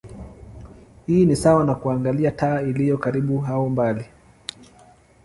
Hii ni sawa na kuangalia taa iliyo karibu au mbali.